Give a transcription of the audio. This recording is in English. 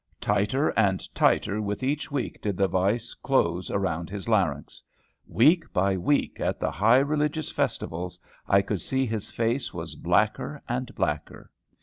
Tighter and tighter with each week did the vice close around his larynx. Week by week, at the high religious festivals, I could see his face was blacker and blacker.